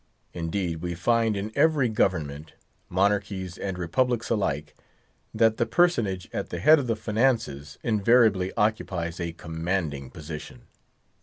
Indeed, we find in every government—monarchies and republics alike—that the personage at the head of the finances invariably occupies a commanding position.